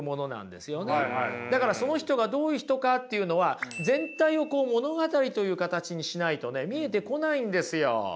だからその人がどういう人かっていうのは全体を物語という形にしないとね見えてこないんですよ。